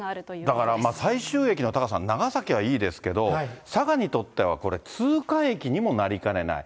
だから最終駅の、タカさん、長崎はいいですけど、佐賀にとってはこれ、通過駅にもなりかねない。